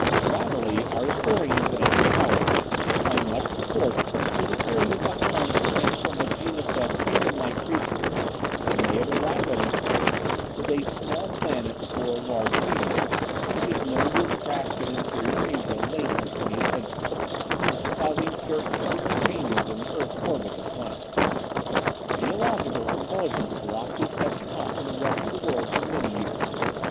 Latterly, our historians and anthropologists find much support for the theory that the Hans sprang from a genus of human like creatures that may have arrived on this earth with a small planet (or large meteor) which is known to have crashed in interior Asia late in the Twentieth Century, causing certain permanent changes in the earth's orbit and climate. Geological convulsions blocked this section off from the rest of the world for many years.